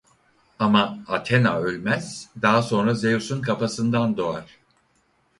Ama Athena ölmez daha sonra Zeus'un kafasından doğar.